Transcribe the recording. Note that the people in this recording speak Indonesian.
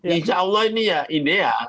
insya allah ini ya ideal